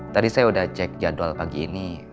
tadi saya sudah cek jadwal pagi ini